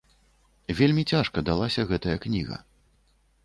Вельмі цяжка далася гэтая кніга.